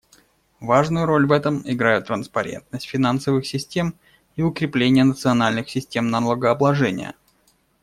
Важную роль в этом играют транспарентность финансовых систем и укрепление национальных систем налогообложения.